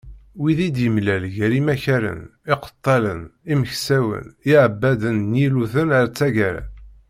Wid i d-yemlal gar imakaren, iqettalen, imeksawen, iεebbaden n yilluten, atg.